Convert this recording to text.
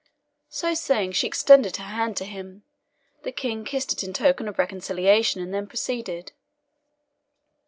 So saying, she extended her hand to him. The King kissed it in token of reconciliation, and then proceeded.